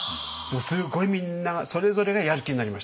すごいみんなそれぞれがやる気になりました。